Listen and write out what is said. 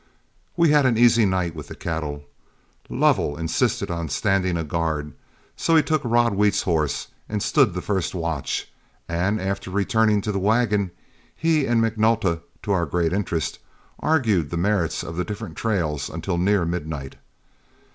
We had an easy night with the cattle. Lovell insisted on standing a guard, so he took Rod Wheat's horse and stood the first watch, and after returning to the wagon, he and McNulta, to our great interest, argued the merits of the different trails until near midnight.